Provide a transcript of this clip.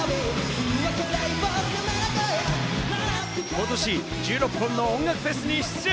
ことし１６本の音楽フェスに出演。